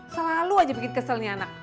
selalu aja bikin kesel nih anak